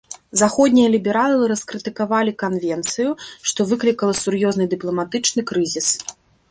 Заходнія лібералы раскрытыкавалі канвенцыю, што выклікала сур'ёзны дыпламатычны крызіс.